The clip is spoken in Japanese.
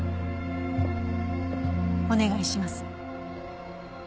お願いします。